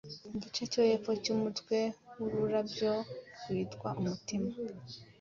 Igice cyo hepfo cyumutwe wururabyo rwitwa umutima